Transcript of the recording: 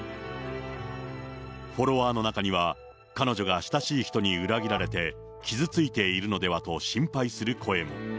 フォロワーの中には、彼女が親しい人に裏切られて、傷ついているのではと、心配する声も。